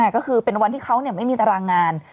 ก็คือเป็นวันที่เขาไม่มีตารางงาน